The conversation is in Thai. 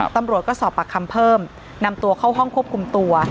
ตำรวจก็สอบปากคำเพิ่มนำตัวเข้าห้องควบคุมตัว